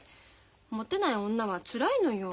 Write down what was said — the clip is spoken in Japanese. もてない女はつらいのよ。